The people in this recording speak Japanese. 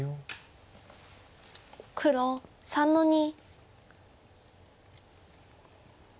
黒３の二。